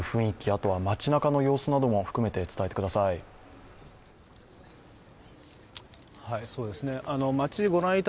あとは町なかの様子なども含めてお伝えください。